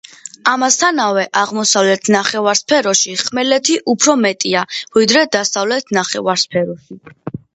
ამასთანავე აღმოსავლეთ ნახევარსფეროში ხმელეთი უფრო მეტია, ვიდრე დასავლეთ ნახევარსფეროში.